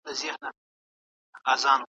د ماشوم کرامت